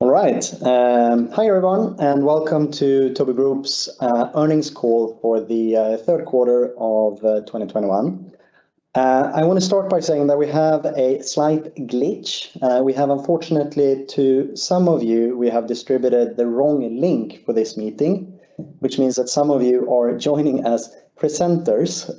All right. Hi everyone, and welcome to Tobii Group's earnings call for the third quarter of 2021. I want to start by saying that we have a slight glitch. We have unfortunately to some of you, we have distributed the wrong link for this meeting, which means that some of you are joining as presenters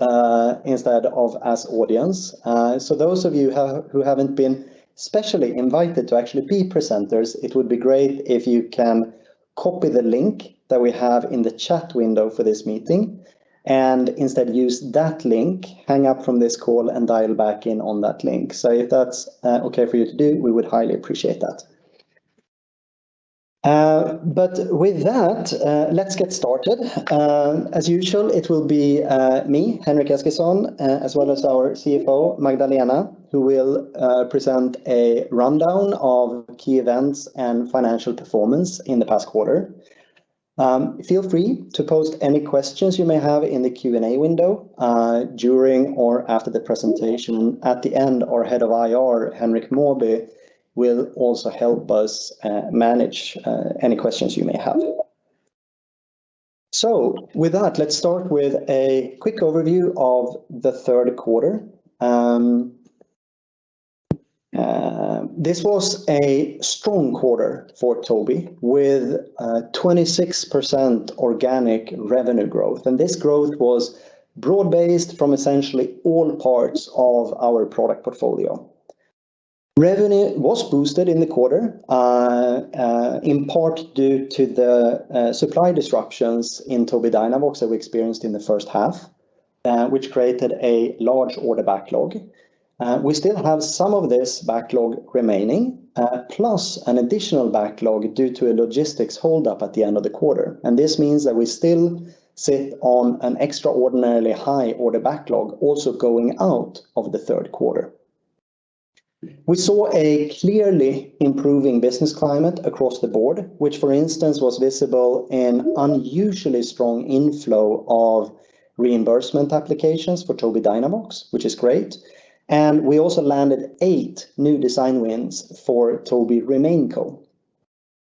instead of as audience. Those of you who haven't been specially invited to actually be presenters, it would be great if you can copy the link that we have in the chat window for this meeting, and instead use that link, hang up from this call, and dial back in on that link. If that's okay for you to do, we would highly appreciate that. With that, let's get started. As usual, it will be me, Henrik Eskilsson, as well as our CFO, Magdalena, who will present a rundown of key events and financial performance in the past quarter. Feel free to post any questions you may have in the Q&A window during or after the presentation. At the end, our head of IR, Henrik Mawby, will also help us manage any questions you may have. With that, let's start with a quick overview of the third quarter. This was a strong quarter for Tobii, with 26% organic revenue growth. This growth was broad-based from essentially all parts of our product portfolio. Revenue was boosted in the quarter in part due to the supply disruptions in Tobii Dynavox that we experienced in the first half, which created a large order backlog. We still have some of this backlog remaining, plus an additional backlog due to a logistics hold-up at the end of the quarter. This means that we still sit on an extraordinarily high order backlog also going out of the third quarter. We saw a clearly improving business climate across the board, which for instance was visible in unusually strong inflow of reimbursement applications for Tobii Dynavox, which is great. We also landed eight new design wins for Tobii RemainCo.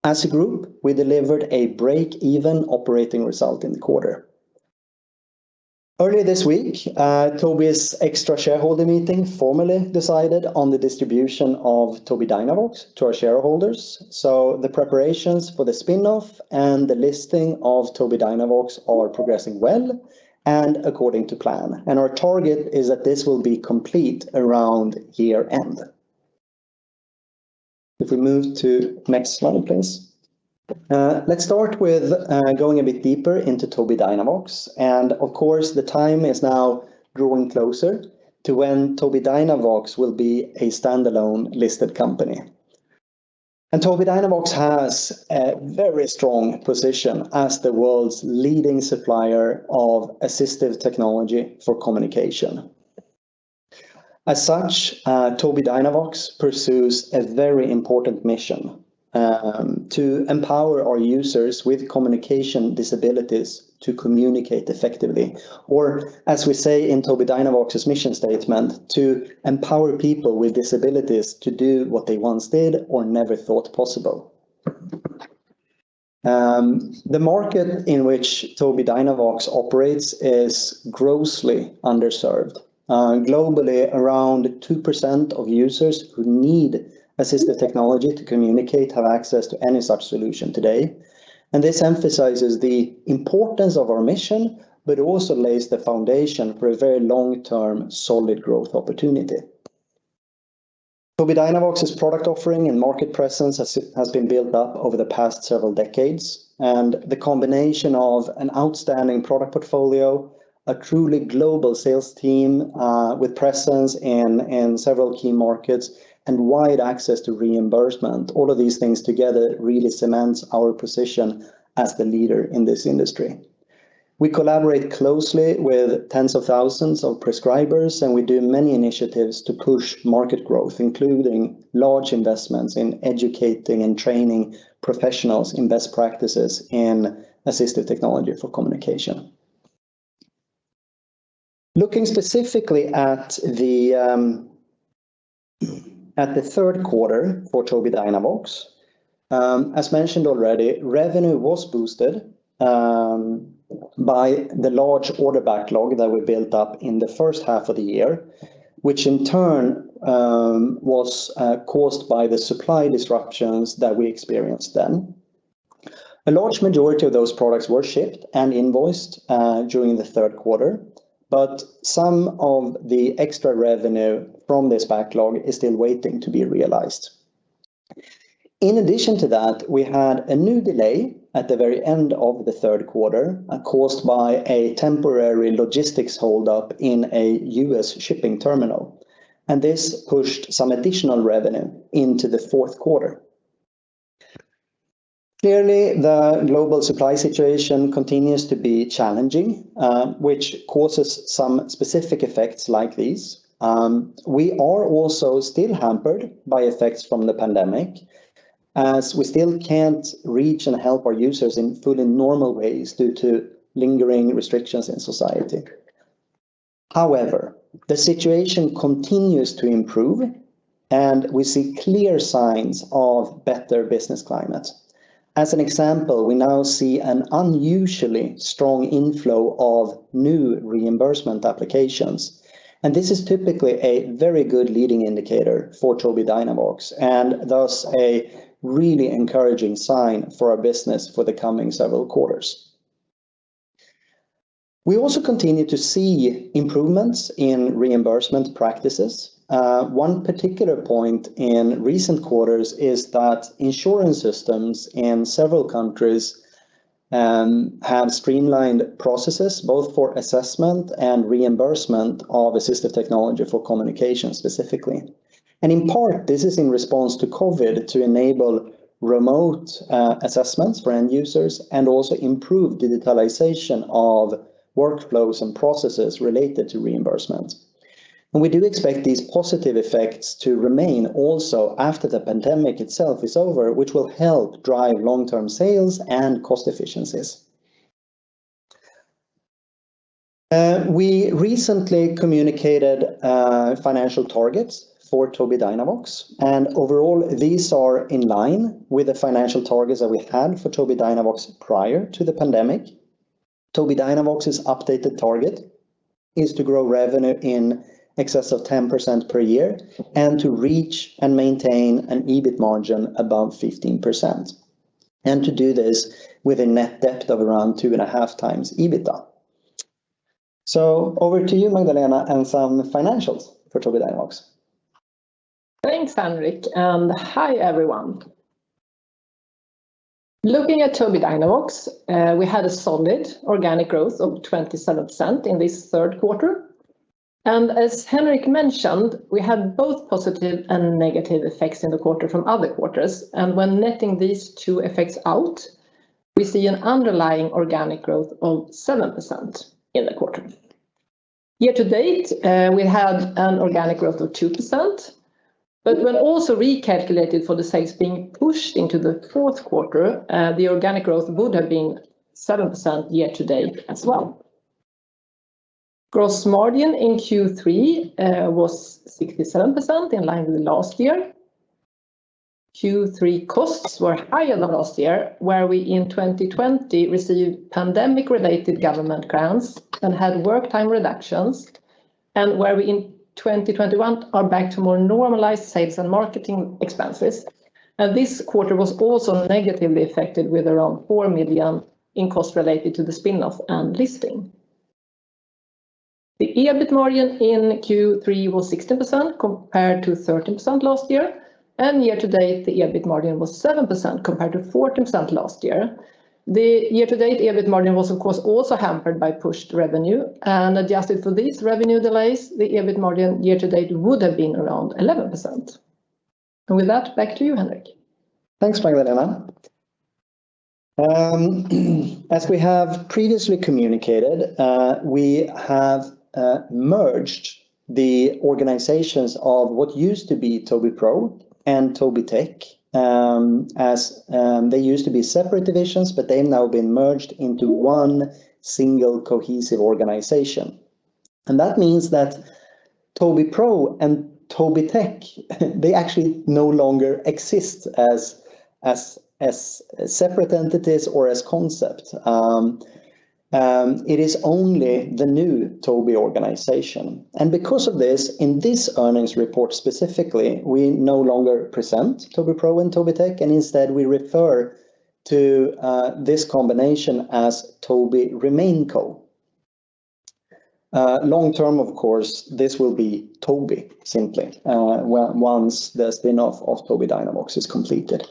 As a group, we delivered a break-even operating result in the quarter. Earlier this week, Tobii's extra shareholder meeting formally decided on the distribution of Tobii Dynavox to our shareholders. The preparations for the spinoff and the listing of Tobii Dynavox are progressing well and according to plan. Our target is that this will be complete around year-end. If we move to next slide, please. Let's start with going a bit deeper into Tobii Dynavox. Of course, the time is now drawing closer to when Tobii Dynavox will be a standalone listed company. Tobii Dynavox has a very strong position as the world's leading supplier of assistive technology for communication. As such, Tobii Dynavox pursues a very important mission to empower our users with communication disabilities to communicate effectively. As we say in Tobii Dynavox's mission statement, to empower people with disabilities to do what they once did or never thought possible. The market in which Tobii Dynavox operates is grossly underserved. Globally, around 2% of users who need assistive technology to communicate have access to any such solution today. This emphasizes the importance of our mission, but also lays the foundation for a very long-term, solid growth opportunity. Tobii Dynavox's product offering and market presence has been built up over the past several decades, and the combination of an outstanding product portfolio, a truly global sales team, with presence in several key markets, and wide access to reimbursement, all of these things together really cements our position as the leader in this industry. We collaborate closely with tens of thousands of prescribers, and we do many initiatives to push market growth, including large investments in educating and training professionals in best practices in assistive technology for communication. Looking specifically at the third quarter for Tobii Dynavox, as mentioned already, revenue was boosted by the large order backlog that we built up in the first half of the year, which in turn was caused by the supply disruptions that we experienced then. A large majority of those products were shipped and invoiced during the third quarter, but some of the extra revenue from this backlog is still waiting to be realized. In addition to that, we had a new delay at the very end of the third quarter, caused by a temporary logistics hold-up in a U.S. shipping terminal, and this pushed some additional revenue into the fourth quarter. Clearly, the global supply situation continues to be challenging, which causes some specific effects like these. We are also still hampered by effects from the pandemic, as we still can't reach and help our users in fully normal ways due to lingering restrictions in society. However, the situation continues to improve, and we see clear signs of better business climate. As an example, we now see an unusually strong inflow of new reimbursement applications, and this is typically a very good leading indicator for Tobii Dynavox, and thus a really encouraging sign for our business for the coming several quarters. We also continue to see improvements in reimbursement practices. One particular point in recent quarters is that insurance systems in several countries have streamlined processes both for assessment and reimbursement of assistive technology for communication specifically. In part, this is in response to COVID to enable remote assessments for end users and also improve digitalization of workflows and processes related to reimbursements. We do expect these positive effects to remain also after the pandemic itself is over, which will help drive long-term sales and cost efficiencies. We recently communicated financial targets for Tobii Dynavox, and overall, these are in line with the financial targets that we had for Tobii Dynavox prior to the pandemic. Tobii Dynavox's updated target is to grow revenue in excess of 10% per year and to reach and maintain an EBIT margin above 15%, and to do this with a net debt of around 2.5x EBITDA. Over to you, Magdalena, and some financials for Tobii Dynavox. Thanks, Henrik, and hi, everyone. Looking at Tobii Dynavox, we had a solid organic growth of 27% in this third quarter. As Henrik mentioned, we had both positive and negative effects in the quarter from other quarters. When netting these two effects out, we see an underlying organic growth of 7% in the quarter. Year to date, we had an organic growth of 2%, but when also recalculated for the sales being pushed into the fourth quarter, the organic growth would have been 7% year to date as well. Gross margin in Q3 was 67% in line with last year. Q3 costs were higher than last year, where we in 2020 received pandemic-related government grants and had work time reductions, and where we in 2021 are back to more normalized sales and marketing expenses. This quarter was also negatively affected with around 4 million in cost related to the spin-off and listing. The EBIT margin in Q3 was 16% compared to 13% last year, and year to date, the EBIT margin was 7% compared to 14% last year. The year-to-date EBIT margin was of course also hampered by pushed revenue and adjusted for these revenue delays, the EBIT margin year to date would have been around 11%. With that, back to you, Henrik. Thanks, Magdalena. As we have previously communicated, we have merged the organizations of what used to be Tobii Pro and Tobii Tech, as they used to be separate divisions, but they've now been merged into one single cohesive organization. That means that Tobii Pro and Tobii Tech, they actually no longer exist as separate entities or as concepts. It is only the new Tobii organization. Because of this, in this earnings report specifically, we no longer present Tobii Pro and Tobii Tech, and instead we refer to this combination as Tobii RemainCo. Long term, of course, this will be Tobii simply, once the spin-off of Tobii Dynavox is completed.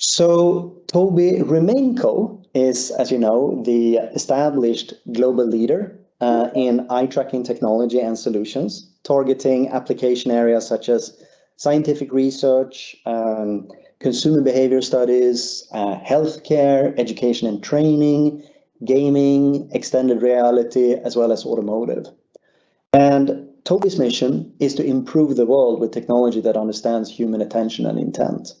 Tobii RemainCo is, as you know, the established global leader in eye tracking technology and solutions, targeting application areas such as scientific research, consumer behavior studies, healthcare, education and training, gaming, extended reality, as well as automotive. Tobii's mission is to improve the world with technology that understands human attention and intent.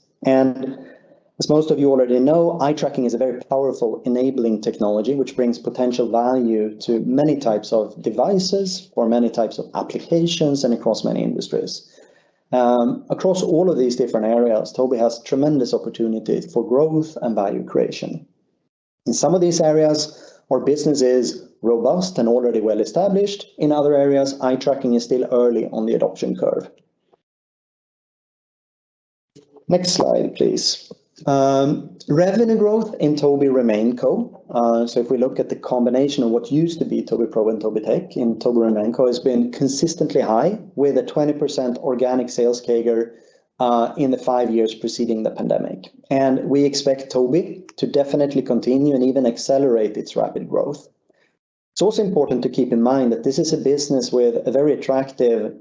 As most of you already know, eye tracking is a very powerful enabling technology, which brings potential value to many types of devices or many types of applications and across many industries. Across all of these different areas, Tobii has tremendous opportunity for growth and value creation. In some of these areas, our business is robust and already well established. In other areas, eye tracking is still early on the adoption curve. Next slide, please. Revenue growth in Tobii remainco, if we look at the combination of what used to be Tobii Pro and Tobii Tech in Tobii remainco has been consistently high with a 20% organic sales CAGR in the five years preceding the pandemic. We expect Tobii to definitely continue and even accelerate its rapid growth. It's also important to keep in mind that this is a business with a very attractive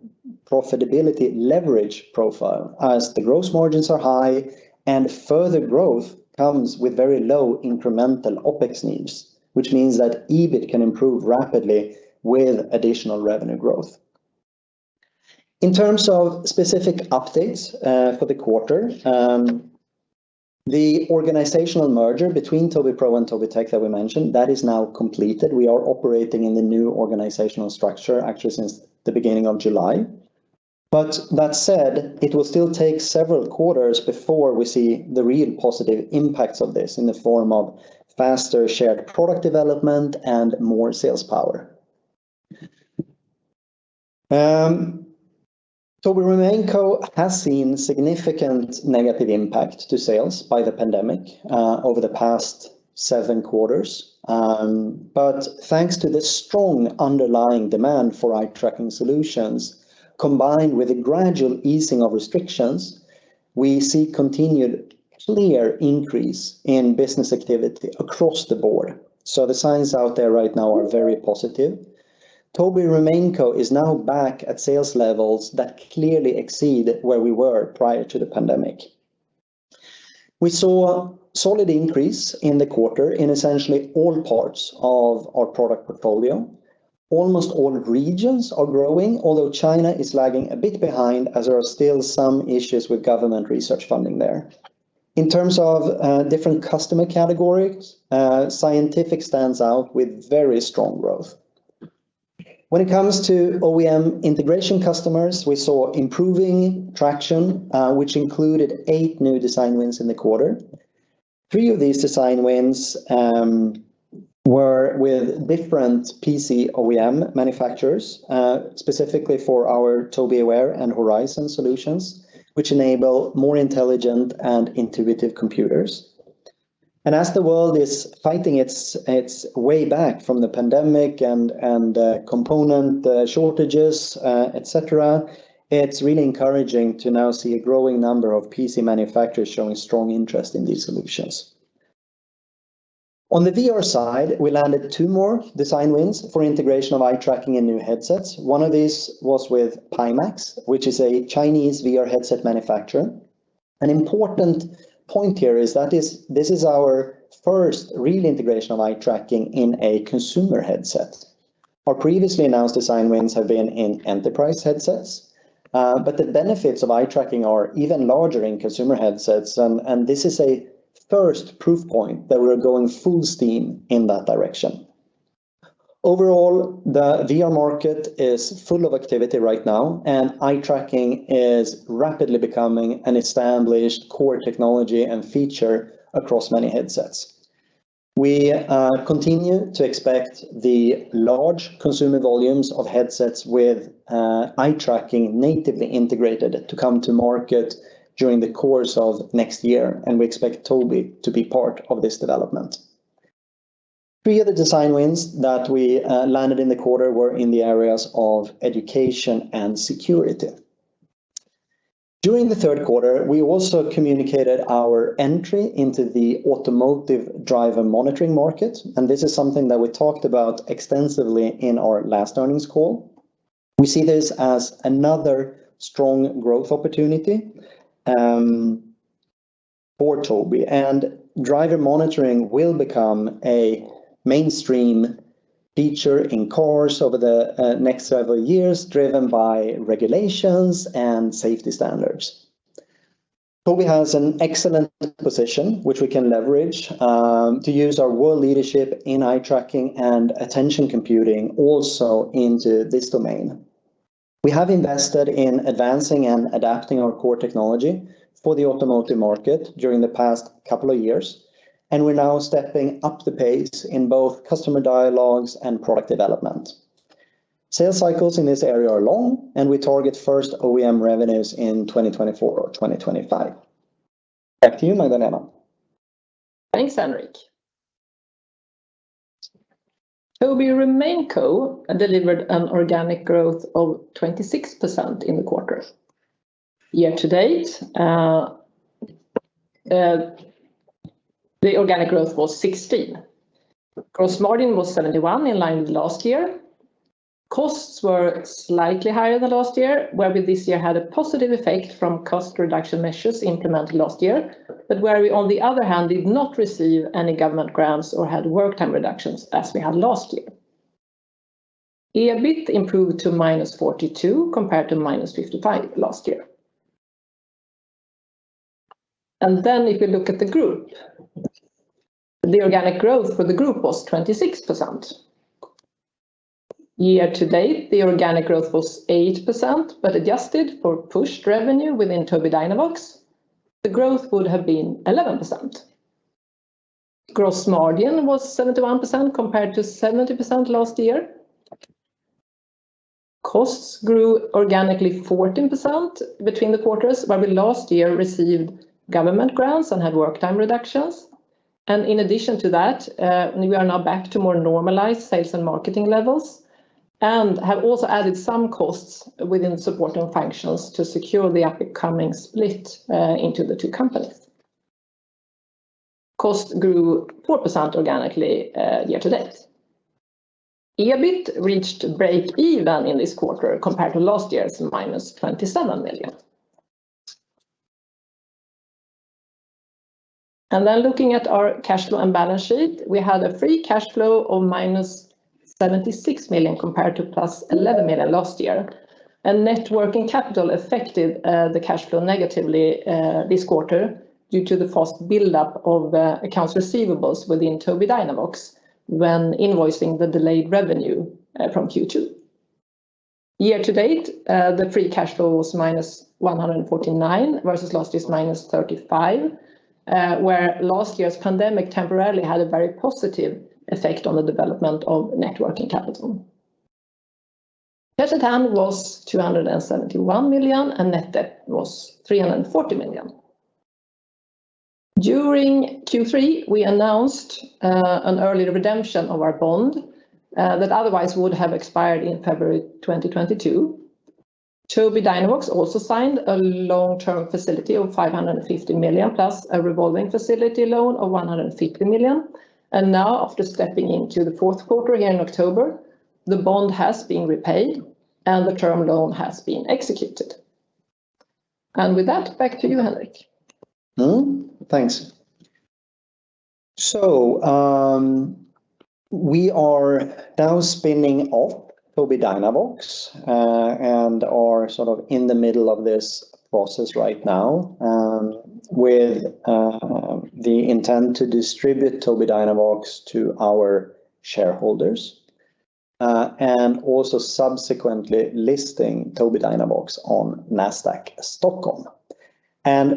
profitability leverage profile as the gross margins are high and further growth comes with very low incremental OpEx needs, which means that EBIT can improve rapidly with additional revenue growth. In terms of specific updates, for the quarter, the organizational merger between Tobii Pro and Tobii Tech that we mentioned, that is now completed. We are operating in the new organizational structure actually since the beginning of July. That said, it will still take several quarters before we see the real positive impacts of this in the form of faster shared product development and more sales power. Tobii remainco has seen significant negative impact to sales by the pandemic over the past seven quarters. Thanks to the strong underlying demand for eye tracking solutions, combined with a gradual easing of restrictions, we see continued clear increase in business activity across the board. The signs out there right now are very positive. Tobii remainco is now back at sales levels that clearly exceed where we were prior to the pandemic. We saw a solid increase in the quarter in essentially all parts of our product portfolio. Almost all regions are growing, although China is lagging a bit behind, as there are still some issues with government research funding there. In terms of different customer categories, scientific stands out with very strong growth. When it comes to OEM integration customers, we saw improving traction, which included 8 new design wins in the quarter. Three of these design wins were with different PC OEM manufacturers, specifically for our Tobii Aware and Horizon solutions, which enable more intelligent and intuitive computers. As the world is fighting its way back from the pandemic and component shortages, et cetera, it's really encouraging to now see a growing number of PC manufacturers showing strong interest in these solutions. On the VR side, we landed two more design wins for integration of eye tracking in new headsets. One of these was with Pimax, which is a Chinese VR headset manufacturer. An important point here is that this is our first real integration of eye tracking in a consumer headset. Our previously announced design wins have been in enterprise headsets, but the benefits of eye tracking are even larger in consumer headsets, and this is a first proof point that we're going full steam in that direction. Overall, the VR market is full of activity right now, and eye tracking is rapidly becoming an established core technology and feature across many headsets. We continue to expect the large consumer volumes of headsets with eye tracking natively integrated to come to market during the course of next year, and we expect Tobii to be part of this development. Three other design wins that we landed in the quarter were in the areas of education and security. During the third quarter, we also communicated our entry into the automotive driver monitoring market, and this is something that we talked about extensively in our last earnings call. We see this as another strong growth opportunity for Tobii, and driver monitoring will become a mainstream feature in cars over the next several years, driven by regulations and safety standards. Tobii has an excellent position which we can leverage to use our world leadership in eye tracking and attention computing also into this domain. We have invested in advancing and adapting our core technology for the automotive market during the past couple of years, and we're now stepping up the pace in both customer dialogues and product development. Sales cycles in this area are long, and we target first OEM revenues in 2024 or 2025. Back to you, Magdalena. Thanks, Henrik. Tobii remainco delivered an organic growth of 26% in the quarter. Year to date, the organic growth was 16%. Gross margin was 71%, in line with last year. Costs were slightly higher than last year, where we this year had a positive effect from cost reduction measures implemented last year, but where we, on the other hand, did not receive any government grants or had work time reductions as we had last year. EBIT improved to -42 compared to -55 last year. If you look at the group, the organic growth for the group was 26%. Year to date, the organic growth was 8%, but adjusted for pushed revenue within Tobii Dynavox, the growth would have been 11%. Gross margin was 71% compared to 70% last year. Costs grew organically 14% between the quarters, where we last year received government grants and had work time reductions. In addition to that, we are now back to more normalized sales and marketing levels and have also added some costs within supporting functions to secure the upcoming split into the two companies. Cost grew 4% organically year to date. EBIT reached break even in this quarter compared to last year's -27 million. Then looking at our cash flow and balance sheet, we had a free cash flow of -76 million compared to +11 million last year. Net working capital affected the cash flow negatively this quarter due to the fast buildup of accounts receivables within Tobii Dynavox when invoicing the delayed revenue from Q2. Year-to-date, the free cash flow was -149 million versus last year's -35 million, where last year's pandemic temporarily had a very positive effect on the development of net working capital. Cash at hand was 271 million, and net debt was 340 million. During Q3, we announced an early redemption of our bond that otherwise would have expired in February 2022. Tobii Dynavox also signed a long-term facility of 550 million, plus a revolving facility loan of 150 million. Now after stepping into the fourth quarter here in October, the bond has been repaid and the term loan has been executed. With that, back to you, Henrik. Mm-hmm. Thanks. We are now spinning off Tobii Dynavox and are sort of in the middle of this process right now with the intent to distribute Tobii Dynavox to our shareholders and also subsequently listing Tobii Dynavox on Nasdaq Stockholm.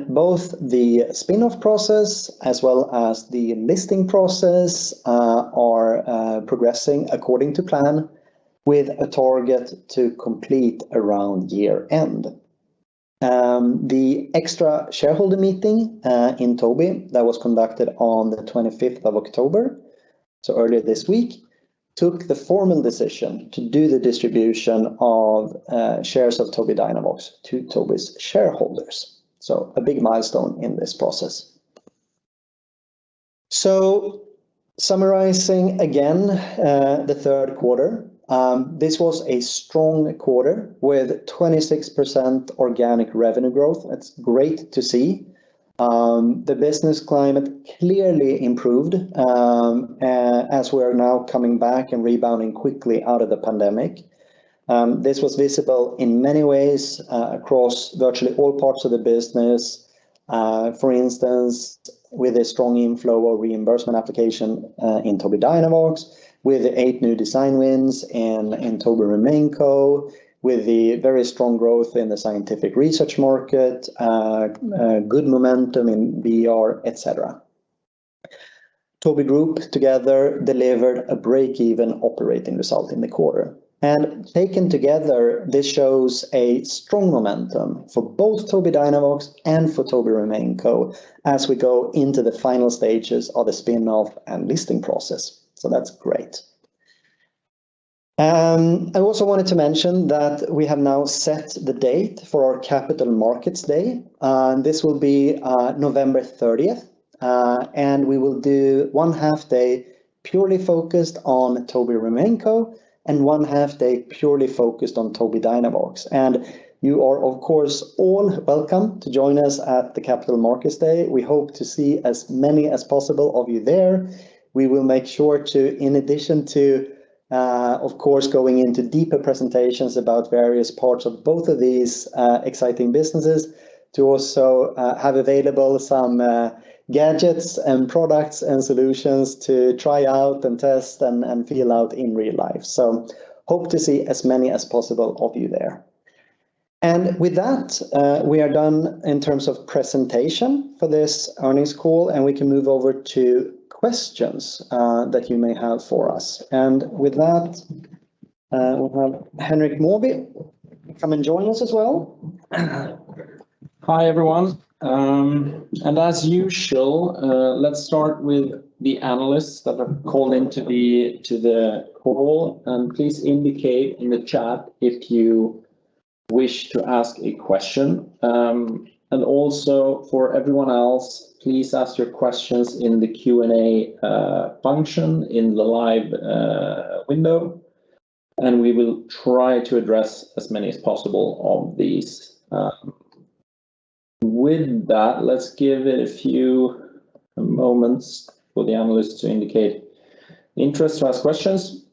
Both the spin-off process as well as the listing process are progressing according to plan with a target to complete around year-end. The extraordinary shareholder meeting in Tobii that was conducted on the twenty-fifth of October, so earlier this week, took the formal decision to do the distribution of shares of Tobii Dynavox to Tobii's shareholders. A big milestone in this process. Summarizing again, the third quarter, this was a strong quarter with 26% organic revenue growth. That's great to see. The business climate clearly improved as we are now coming back and rebounding quickly out of the pandemic. This was visible in many ways across virtually all parts of the business for instance, with a strong inflow of reimbursement application in Tobii Dynavox, with eight new design wins in Tobii remainco, with the very strong growth in the scientific research market good momentum in VR, et cetera. Tobii Group together delivered a break-even operating result in the quarter. Taken together, this shows a strong momentum for both Tobii Dynavox and for Tobii remainco as we go into the final stages of the spin-off and listing process. That's great. I also wanted to mention that we have now set the date for our Capital Markets Day. This will be November 30th. We will do one half day purely focused on Tobii remainco, and one half day purely focused on Tobii Dynavox. You are, of course, all welcome to join us at the Capital Markets Day. We hope to see as many as possible of you there. We will make sure to, in addition to, of course, going into deeper presentations about various parts of both of these exciting businesses, to also have available some gadgets and products and solutions to try out and test and feel out in real life. Hope to see as many as possible of you there. With that, we are done in terms of presentation for this earnings call, and we can move over to questions that you may have for us. With that, we'll have Henrik Mawby come and join us as well. Hi, everyone. As usual, let's start with the analysts that have called into the call. Please indicate in the chat if you wish to ask a question. Also for everyone else, please ask your questions in the Q&A function in the live window, and we will try to address as many as possible of these. With that, let's give it a few moments for the analysts to indicate interest to ask questions.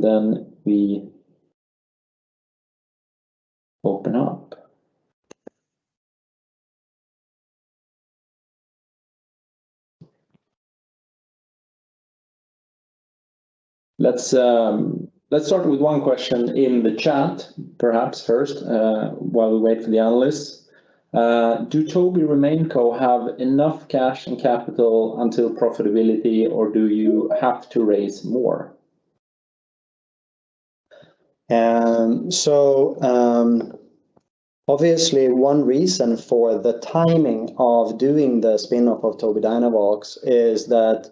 Then we open up. Let's start with one question in the chat perhaps first, while we wait for the analysts. Do Tobii remainco have enough cash and capital until profitability, or do you have to raise more? Obviously, one reason for the timing of doing the spin-off of Tobii Dynavox is that,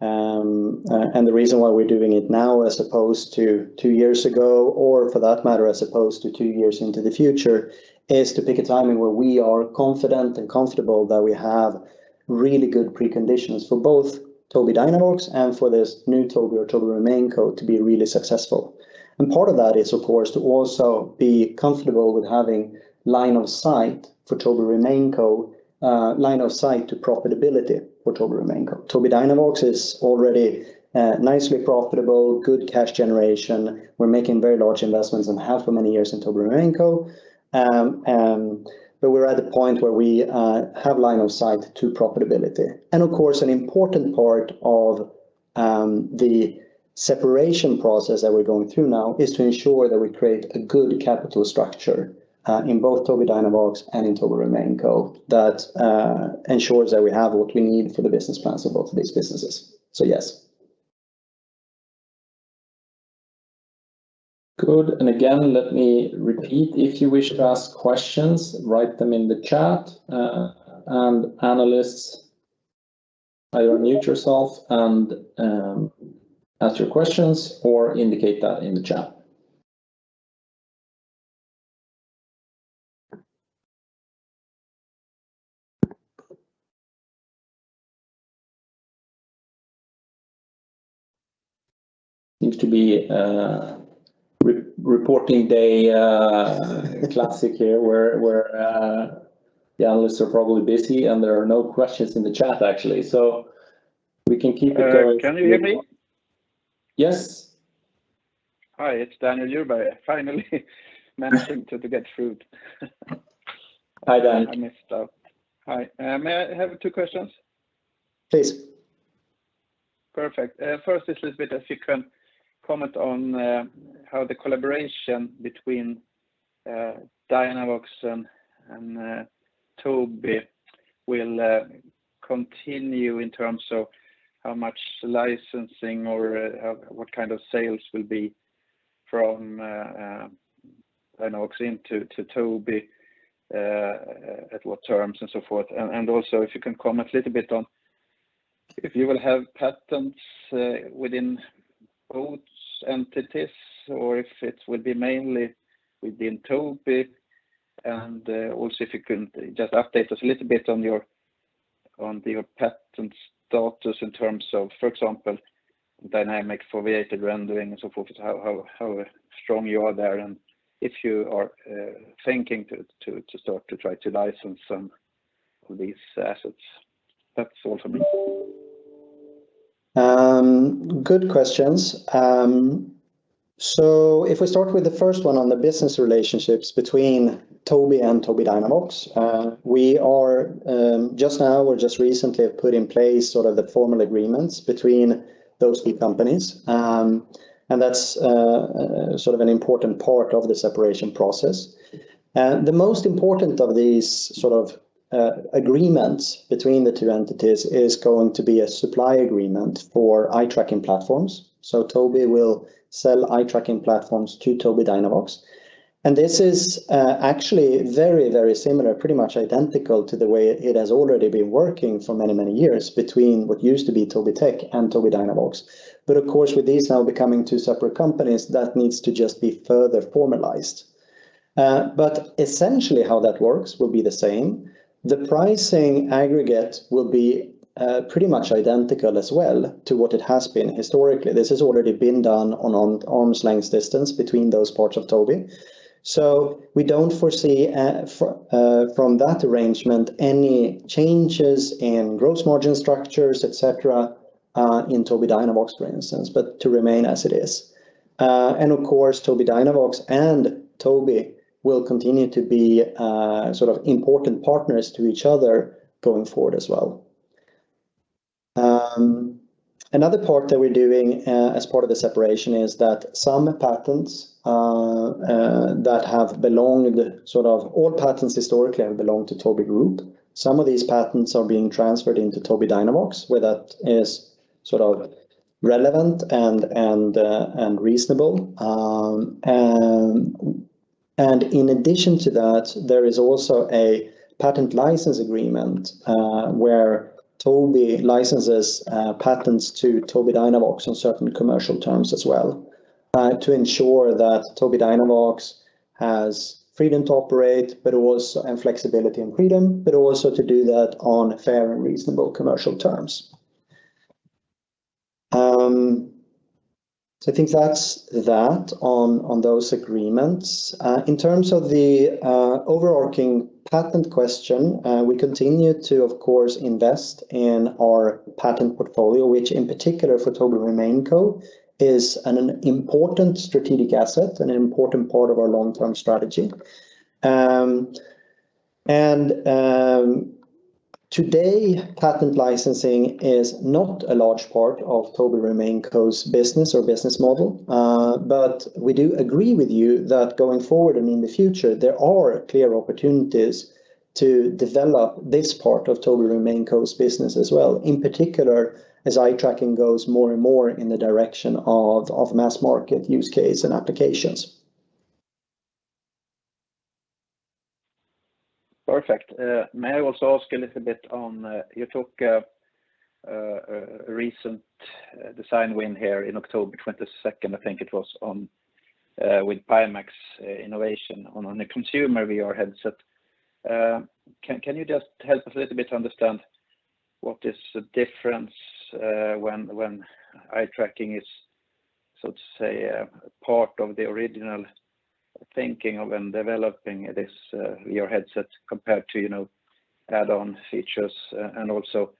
and the reason why we're doing it now as opposed to two years ago, or for that matter, as opposed to two years into the future, is to pick a timing where we are confident and comfortable that we have really good preconditions for both Tobii Dynavox and for this new Tobii or Tobii remainco to be really successful. Part of that is, of course, to also be comfortable with having line of sight for Tobii remainco, line of sight to profitability for Tobii remainco. Tobii Dynavox is already nicely profitable, good cash generation. We're making very large investments and have for many years in Tobii remainco, but we're at the point where we have line of sight to profitability. Of course, an important part of the separation process that we're going through now is to ensure that we create a good capital structure in both Tobii Dynavox and in Tobii remainco that ensures that we have what we need for the business plans of both of these businesses. So yes. Good. Again, let me repeat, if you wish to ask questions, write them in the chat, and analysts either mute yourself and ask your questions or indicate that in the chat. Seems to be a re-reporting day, classic here where the analysts are probably busy, and there are no questions in the chat, actually. So we can keep it going. Can you hear me? Yes. Hi, it's Daniel Djurberg. Finally managing to get through. Hi, Dan. I messed up. Hi. May I have two questions? Please. Perfect. First, a little bit if you can comment on how the collaboration between DynaVox and Tobii will continue in terms of how much licensing or what kind of sales will be from DynaVox to Tobii at what terms and so forth. Also if you can comment a little bit on if you will have patents within both entities or if it will be mainly within Tobii. Also if you could just update us a little bit on your patent status in terms of, for example, dynamic foveated rendering and so forth, how strong you are there, and if you are thinking to start to try to license some of these assets. That's all from me. Good questions. If we start with the first one on the business relationships between Tobii and Tobii Dynavox, we are just now or just recently have put in place sort of the formal agreements between those two companies. That's sort of an important part of the separation process. The most important of these sort of agreements between the two entities is going to be a supply agreement for eye tracking platforms. Tobii will sell eye tracking platforms to Tobii Dynavox. This is actually very, very similar, pretty much identical to the way it has already been working for many, many years between what used to be Tobii Tech and Tobii Dynavox. Of course, with these now becoming two separate companies, that needs to just be further formalized. Essentially how that works will be the same. The pricing aggregate will be pretty much identical as well to what it has been historically. This has already been done on an arm's-length distance between those parts of Tobii. We don't foresee from that arrangement any changes in gross margin structures, et cetera, in Tobii Dynavox, for instance, but to remain as it is. Of course, Tobii Dynavox and Tobii will continue to be sort of important partners to each other going forward as well. Another part that we're doing as part of the separation is that some patents that have belonged sort of all patents historically have belonged to Tobii Group. Some of these patents are being transferred into Tobii Dynavox, where that is sort of relevant and reasonable. In addition to that, there is also a patent license agreement where Tobii licenses patents to Tobii Dynavox on certain commercial terms as well to ensure that Tobii Dynavox has freedom to operate, but also flexibility and freedom, but also to do that on fair and reasonable commercial terms. I think that's that on those agreements. In terms of the overarching patent question, we continue to, of course, invest in our patent portfolio, which in particular for Tobii remainco is an important strategic asset and an important part of our long-term strategy. Today, patent licensing is not a large part of Tobii remainco's business or business model. We do agree with you that going forward and in the future, there are clear opportunities to develop this part of Tobii remainco's business as well, in particular as eye tracking goes more and more in the direction of mass market use case and applications. Perfect. May I also ask a little bit on, you took a recent design win here in October 22nd, I think it was, on, with Pimax Innovations on a consumer VR headset. Can you just help us a little bit to understand what is the difference when eye tracking is, so to say, a part of the original thinking of and developing this VR headset compared to, you know, add-on features and also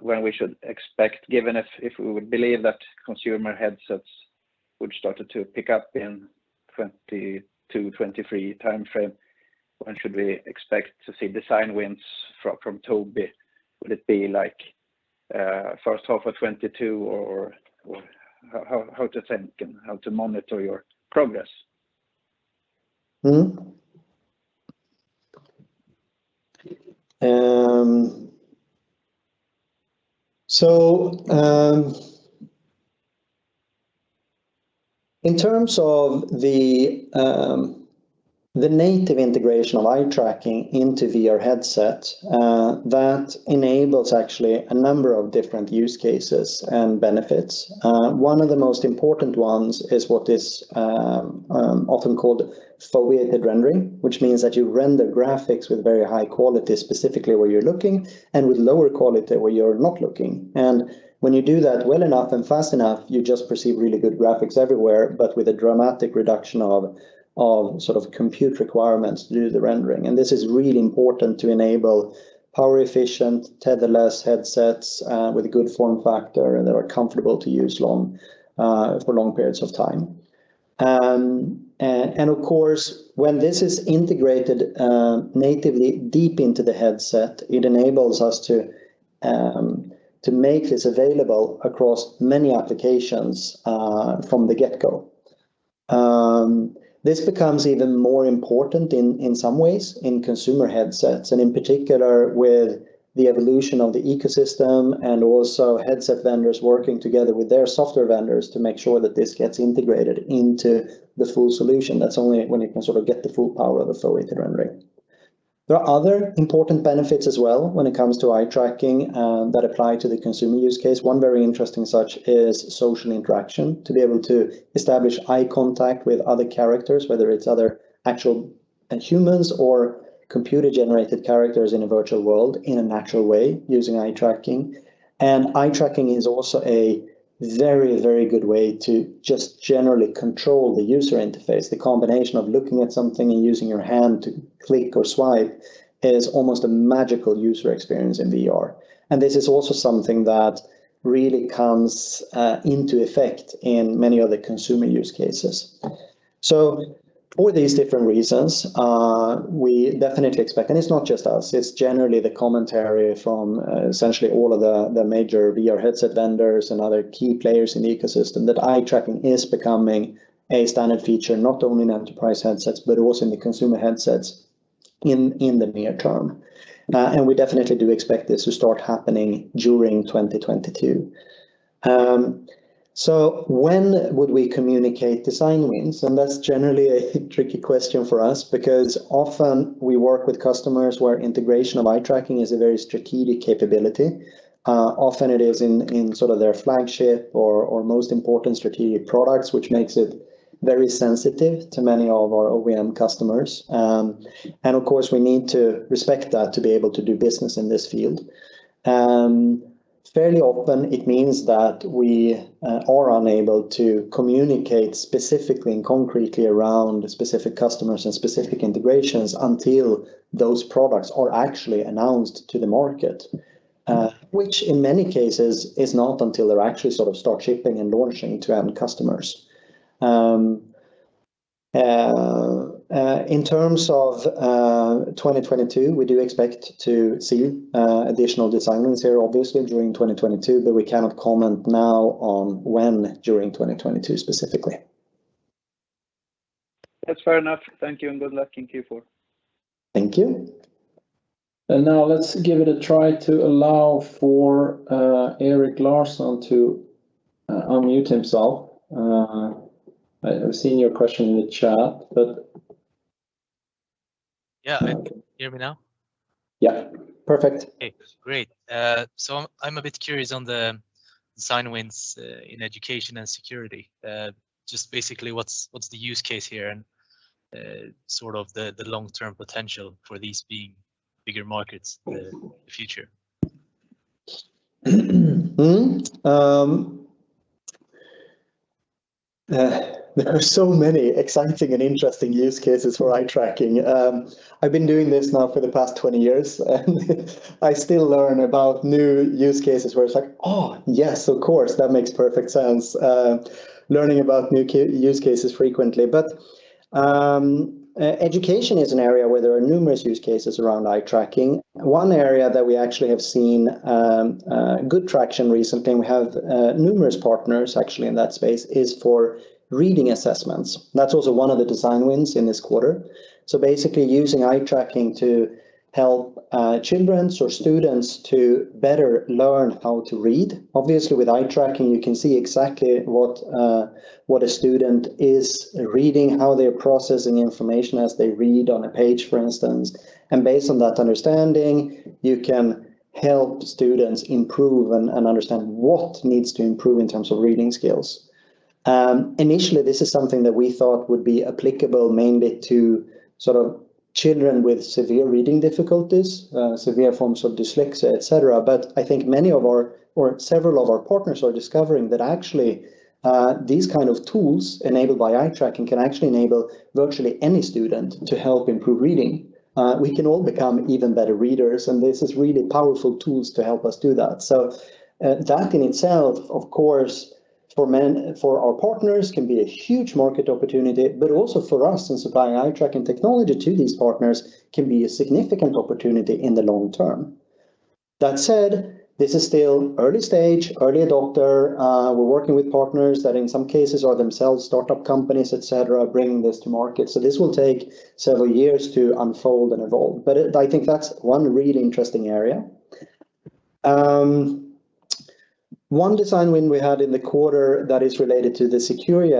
when we should expect, given if we would believe that consumer headsets would started to pick up in 2022, 2023 timeframe, when should we expect to see design wins from Tobii? Would it be, like, first half of 2022, or how to think and how to monitor your progress? In terms of the native integration of eye tracking into VR headsets, that enables actually a number of different use cases and benefits. One of the most important ones is what is often called foveated rendering, which means that you render graphics with very high quality specifically where you're looking and with lower quality where you're not looking. When you do that well enough and fast enough, you just perceive really good graphics everywhere, but with a dramatic reduction of sort of compute requirements due to the rendering. This is really important to enable power efficient, tetherless headsets with a good form factor and that are comfortable to use long for long periods of time. Of course, when this is integrated natively deep into the headset, it enables us to make this available across many applications from the get-go. This becomes even more important in some ways in consumer headsets, and in particular with the evolution of the ecosystem and also headset vendors working together with their software vendors to make sure that this gets integrated into the full solution. That's only when you can sort of get the full power of foveated rendering. There are other important benefits as well when it comes to eye tracking that apply to the consumer use case. One very interesting such is social interaction, to be able to establish eye contact with other characters, whether it's other actual humans or computer-generated characters in a virtual world in a natural way using eye tracking. Eye tracking is also a very, very good way to just generally control the user interface. The combination of looking at something and using your hand to click or swipe is almost a magical user experience in VR. This is also something that really comes into effect in many other consumer use cases. For these different reasons, we definitely expect. It's not just us, it's generally the commentary from essentially all of the major VR headset vendors and other key players in the ecosystem that eye tracking is becoming a standard feature, not only in enterprise headsets but also in the consumer headsets in the near term. We definitely do expect this to start happening during 2022. When would we communicate design wins? That's generally a tricky question for us because often we work with customers where integration of eye tracking is a very strategic capability. Often it is in sort of their flagship or most important strategic products, which makes it very sensitive to many of our OEM customers. Of course, we need to respect that to be able to do business in this field. Fairly often it means that we are unable to communicate specifically and concretely around specific customers and specific integrations until those products are actually announced to the market, which in many cases is not until they're actually sort of start shipping and launching to end customers. In terms of 2022, we do expect to see additional design wins here, obviously during 2022, but we cannot comment now on when during 2022 specifically. That's fair enough. Thank you, and good luck in Q4. Thank you. Now let's give it a try to allow for Erik Larsson to unmute himself. I've seen your question in the chat, but. Yeah. Can you hear me now? Yeah. Perfect. Okay, great. I'm a bit curious on the design wins in education and security. Just basically what's the use case here and sort of the long-term potential for these being bigger markets in the future? There are so many exciting and interesting use cases for eye tracking. I've been doing this now for the past 20 years, and I still learn about new use cases where it's like, "Oh, yes, of course, that makes perfect sense." Education is an area where there are numerous use cases around eye tracking. One area that we actually have seen good traction recently, we have numerous partners actually in that space, is for reading assessments. That's also one of the design wins in this quarter. Basically using eye tracking to help children or students to better learn how to read. Obviously with eye tracking, you can see exactly what a student is reading, how they're processing information as they read on a page, for instance. Based on that understanding, you can help students improve and understand what needs to improve in terms of reading skills. Initially this is something that we thought would be applicable mainly to sort of children with severe reading difficulties, severe forms of dyslexia, et cetera. I think several of our partners are discovering that actually, these kind of tools enabled by eye tracking can actually enable virtually any student to help improve reading. We can all become even better readers, and this is really powerful tools to help us do that. That in itself, of course, for our partners, can be a huge market opportunity, but also for us in supplying eye tracking technology to these partners can be a significant opportunity in the long term. That said, this is still early stage, early adopter. We're working with partners that in some cases are themselves startup companies, et cetera, bringing this to market. This will take several years to unfold and evolve, but I think that's one really interesting area. One design win we had in the quarter that is related to the security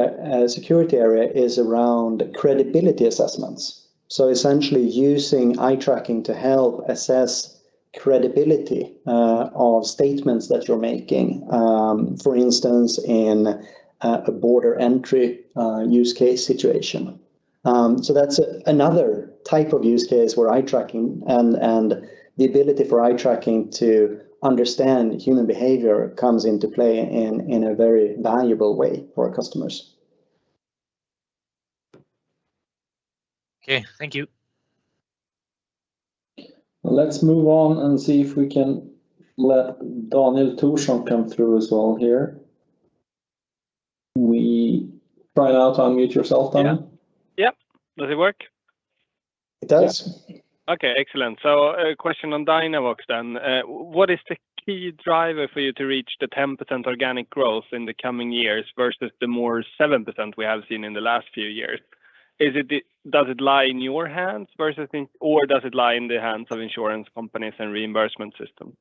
area is around credibility assessments, so essentially using eye tracking to help assess credibility of statements that you're making, for instance, in a border entry use case situation. That's another type of use case where eye tracking and the ability for eye tracking to understand human behavior comes into play in a very valuable way for our customers. Okay. Thank you. Let's move on and see if we can let Daniel Thorsson come through as well here. We try now to unmute yourself, Daniel. Yeah. Yep. Does it work? It does. Okay. Excellent. A question on DynaVox then. What is the key driver for you to reach the 10% organic growth in the coming years versus the 7% we have seen in the last few years? Does it lie in your hands or does it lie in the hands of insurance companies and reimbursement system?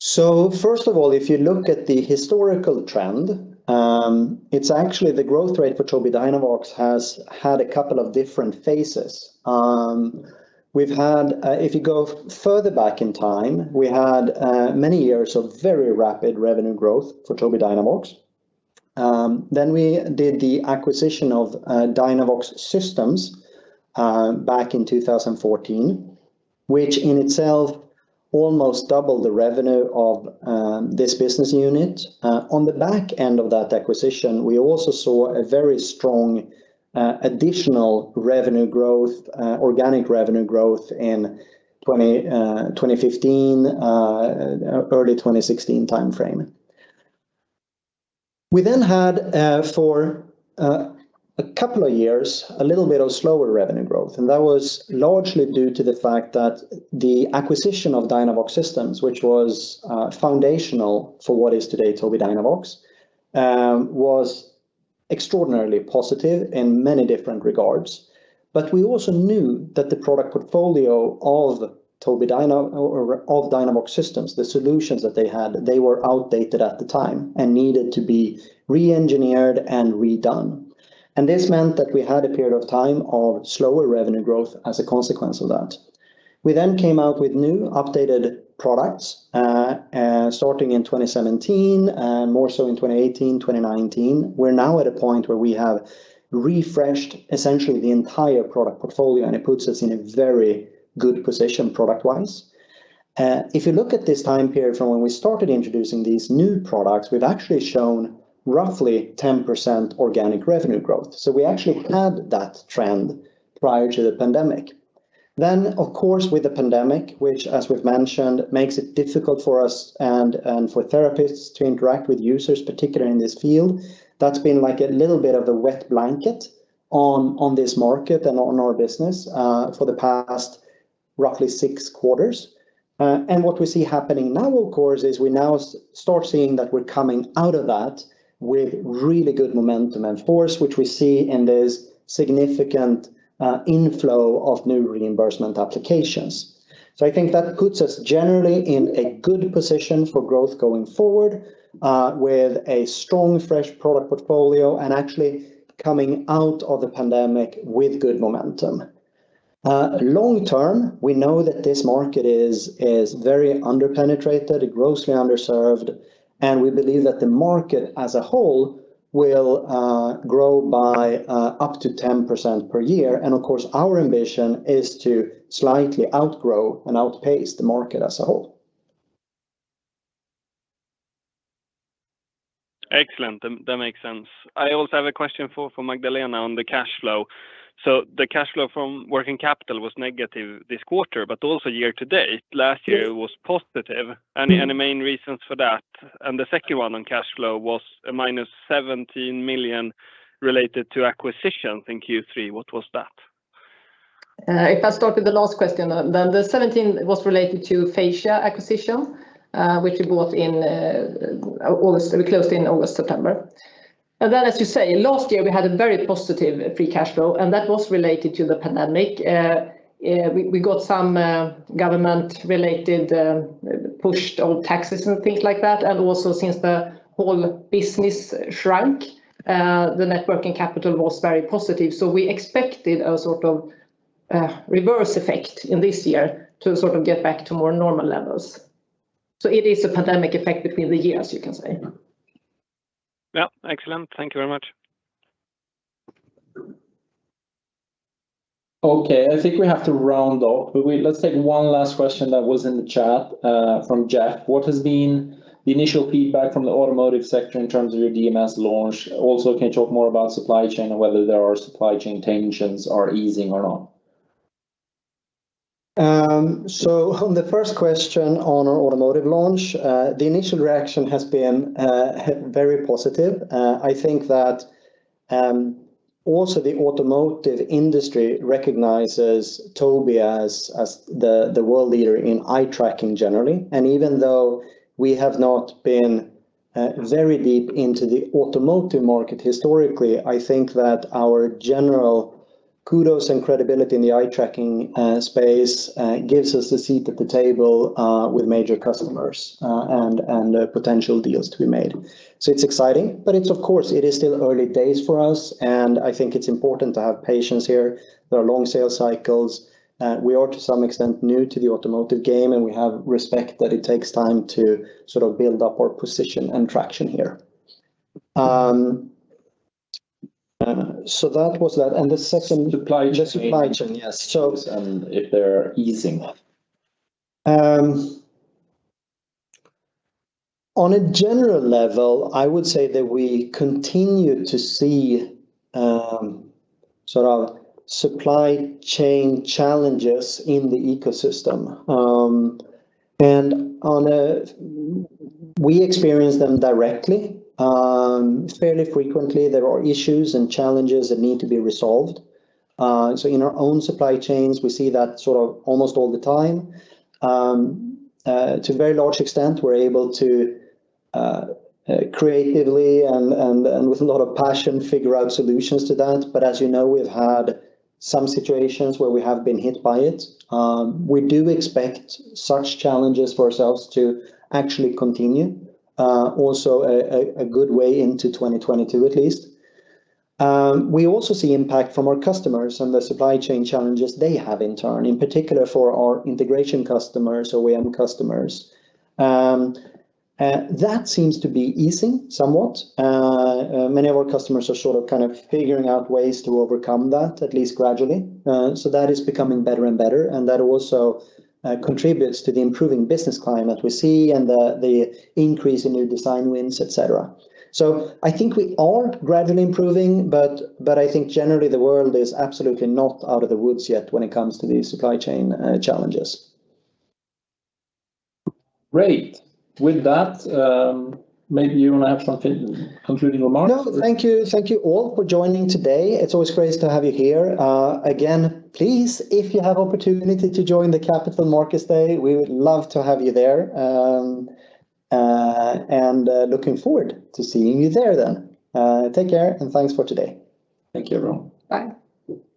First of all, if you look at the historical trend, it's actually the growth rate for Tobii Dynavox has had a couple of different phases. We've had, if you go further back in time, we had many years of very rapid revenue growth for Tobii Dynavox. Then we did the acquisition of DynaVox Systems back in 2014, which in itself almost doubled the revenue of this business unit. On the back end of that acquisition, we also saw a very strong additional revenue growth, organic revenue growth in 2015, early 2016 timeframe. We then had for a couple of years a little bit of slower revenue growth, and that was largely due to the fact that the acquisition of DynaVox Systems, which was foundational for what is today Tobii Dynavox, was extraordinarily positive in many different regards. We also knew that the product portfolio of Tobii Dynavox or of DynaVox Systems, the solutions that they had, they were outdated at the time and needed to be re-engineered and redone. This meant that we had a period of time of slower revenue growth as a consequence of that. We then came out with new updated products starting in 2017 and more so in 2018, 2019. We're now at a point where we have refreshed essentially the entire product portfolio, and it puts us in a very good position product-wise. If you look at this time period from when we started introducing these new products, we've actually shown roughly 10% organic revenue growth. We actually had that trend prior to the pandemic. Of course, with the pandemic, which as we've mentioned, makes it difficult for us and for therapists to interact with users, particularly in this field. That's been like a little bit of a wet blanket on this market and on our business for the past roughly six quarters. What we see happening now, of course, is we now start seeing that we're coming out of that with really good momentum and force, which we see in this significant inflow of new reimbursement applications. I think that puts us generally in a good position for growth going forward, with a strong fresh product portfolio and actually coming out of the pandemic with good momentum. Long term, we know that this market is very under-penetrated, grossly underserved, and we believe that the market as a whole will grow by up to 10% per year. Of course, our ambition is to slightly outgrow and outpace the market as a whole. Excellent. That makes sense. I also have a question for Magdalena on the cash flow. The cash flow from working capital was negative this quarter, but also year to date. Last year was positive. Any main reasons for that? The second one on cash flow was -17 million related to acquisitions in Q3. What was that? If I start with the last question, then the 17 was related to the Phasya acquisition, which we bought in August. We closed in August, September. Then, as you say, last year we had a very positive free cash flow, and that was related to the pandemic. We got some government related push on taxes and things like that. Also since the whole business shrunk, the net working capital was very positive. We expected a sort of reverse effect in this year to sort of get back to more normal levels. It is a pandemic effect between the years, you can say. Yeah. Excellent. Thank you very much. Okay. I think we have to round off, but let's take one last question that was in the chat from Jeff. What has been the initial feedback from the automotive sector in terms of your DMS launch? Also, can you talk more about supply chain and whether there are supply chain tensions are easing or not? On the first question on our automotive launch, the initial reaction has been very positive. I think that also the automotive industry recognizes Tobii as the world leader in eye tracking generally. Even though we have not been very deep into the automotive market historically, I think that our general kudos and credibility in the eye tracking space gives us a seat at the table with major customers and potential deals to be made. It's exciting, but of course it's still early days for us, and I think it's important to have patience here. There are long sales cycles. We are to some extent new to the automotive game, and we respect that it takes time to sort of build up our position and traction here. That was that. The second Supply chain. The supply chain. Yes. If they're easing. On a general level, I would say that we continue to see sort of supply chain challenges in the ecosystem. We experience them directly fairly frequently. There are issues and challenges that need to be resolved. In our own supply chains, we see that sort of almost all the time. To a very large extent, we're able to creatively and with a lot of passion figure out solutions to that. But as you know, we've had some situations where we have been hit by it. We do expect such challenges for ourselves to actually continue also a good way into 2022 at least. We also see impact from our customers and the supply chain challenges they have in turn, in particular for our integration customers or OEM customers. That seems to be easing somewhat. Many of our customers are sort of kind of figuring out ways to overcome that, at least gradually. That is becoming better and better, and that also contributes to the improving business climate we see and the increase in new design wins, etc. I think we are gradually improving, but I think generally the world is absolutely not out of the woods yet when it comes to the supply chain challenges. Great. With that, maybe you want to have some concluding remarks. No, thank you. Thank you all for joining today. It's always great to have you here. Again, please, if you have opportunity to join the Capital Markets Day, we would love to have you there. Looking forward to seeing you there then. Take care, and thanks for today. Thank you, everyone. Bye.